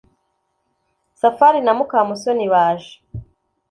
safari na mukamusoni baje